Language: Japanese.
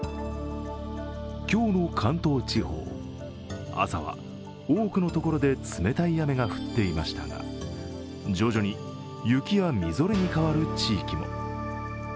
今日の関東地方、朝は多くのところで冷たい雨が降っていましたが徐々に雪やみぞれに変わる地域も。